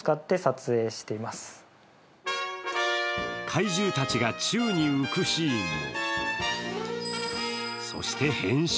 怪獣たちが宙に浮くシーンも。